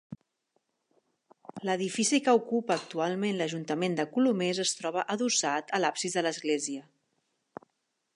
L'edifici que ocupa actualment l'Ajuntament de Colomers es troba adossat a l'absis de l'església.